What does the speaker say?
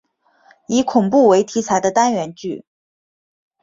以恐怖为题材的单元剧。